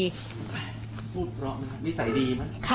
พูดเพราะมั้ยคะนิสัยดีมั้ยคะ